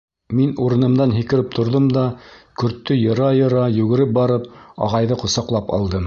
Мин урынымдан һикереп торҙом да, көрттө йыра-йыра, йүгереп барып ағайҙы ҡосаҡлап алдым.